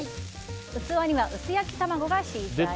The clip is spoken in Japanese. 器には薄焼き卵が敷いてあります。